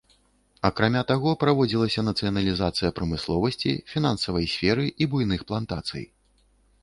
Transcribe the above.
Акрамя таго, праводзілася нацыяналізацыя прамысловасці, фінансавай сферы і буйных плантацый.